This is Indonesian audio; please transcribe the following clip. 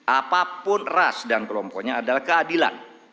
apapun ras dan kelompoknya adalah keadilan